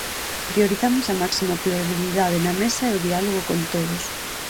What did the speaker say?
Priorizamos a máxima pluralidade na Mesa e o diálogo con todos.